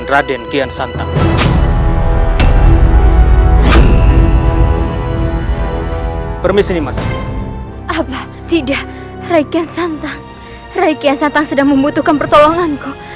rai kian santang sedang membutuhkan pertolonganku